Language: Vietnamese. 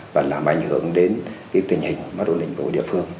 và làm ảnh hưởng đến tình hình mắt ổn định của địa phương